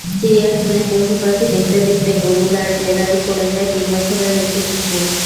চিড়িয়াখানায় পশু–পাখি দেখতে দেখতে গরিলার ডেরায় পড়ে যায় তিন বছরের একটি শিশু।